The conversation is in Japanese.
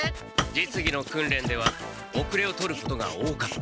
実技の訓練では後れを取ることが多かった。